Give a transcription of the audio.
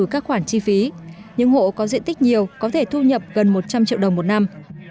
các khoản chi phí những hộ có diện tích nhiều có thể thu nhập gần một trăm linh triệu đồng một năm